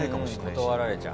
断られちゃう。